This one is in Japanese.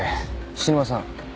菱沼さん